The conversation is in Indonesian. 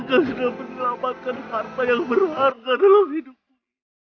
engkau sudah meneramkan harta yang berharga dalam hidupku